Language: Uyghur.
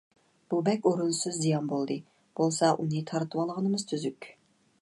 بۇ بەك ئورۇنسىز زىيان بولدى. بولسا، ئۇنى تارتىۋالغىنىمىز تۈزۈك،